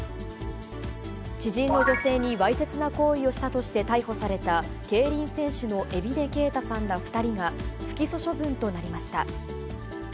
知人の女性にわいせつな行為をしたとして逮捕された競輪選手の海老根恵太さんら２人が、不起訴処分となりました。